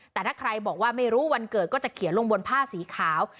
แต่ถ้าใครบอกว่าไม่รู้วันเกิดก็จะเขียนลงบนผ้าสีขาว